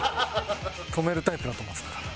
留めるタイプだと思ってたから。